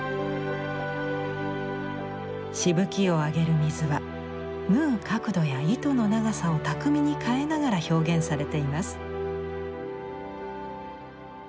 しぶきを上げる水は縫う角度や糸の長さを巧みに変えながら表現されています。